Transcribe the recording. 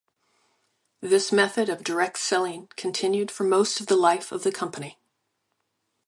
This method of direct selling continued for most of the life of the company.